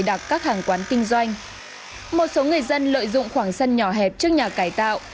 đặt các hàng quán kinh doanh một số người dân lợi dụng khoảng sân nhỏ hẹp trước nhà cải tạo